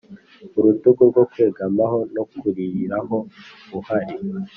urutugu rwo kwegamaho no kuririraho uhari,